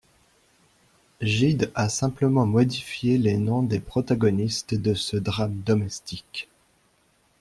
Gide a simplement modifié les noms des protagonistes de ce drame domestique.